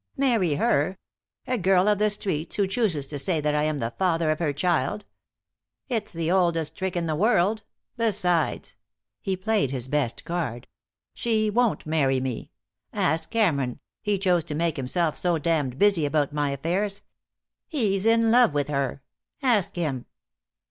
"Marry her? A girl of the streets, who chooses to say that I am the father of her child! It's the oldest trick in the word. Besides " He played his best card "she won't marry me. Ask Cameron, who chose to make himself so damned busy about my affairs. He's in love with her. Ask him."